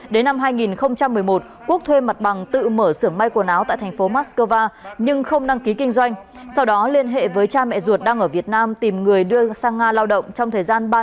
đến năm hai nghìn một mươi một quốc thuê mặt bằng tự mở xưởng mai quần áo tại thành linh